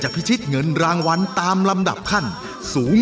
รายการต่อปีนี้เป็นรายการทั่วไปสามารถรับชมได้ทุกวัย